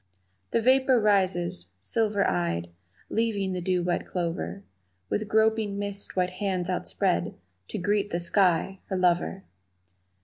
The vapor rises, silver eyed, Leaving the dew wet clover, With groping, mist white hands outspread To greet the sky, her lover.